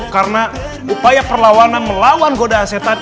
karena upaya perlawanan melawan godaan setan